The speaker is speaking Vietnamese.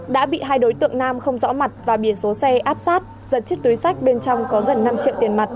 đã bị hai đối tượng nam không rõ mặt và biển số xe áp sát giật chiếc túi sách bên trong có gần năm triệu tiền mặt